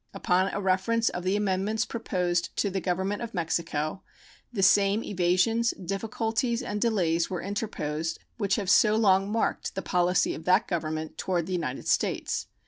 Upon a reference of the amendments proposed to the Government of Mexico, the same evasions, difficulties, and delays were interposed which have so long marked the policy of that Government toward the United States.